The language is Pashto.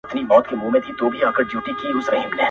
• سخت به مي تر دې هم زنکدن نه وي ,